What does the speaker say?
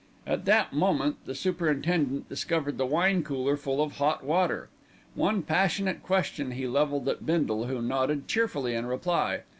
At that moment the superintendent discovered the wine cooler full of hot water. One passionate question he levelled at Bindle, who nodded cheerfully in reply.